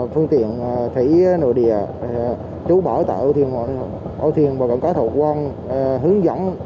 phương tiện thủy nội địa chú bảo tạo ưu thiên và các thủ quan hướng dẫn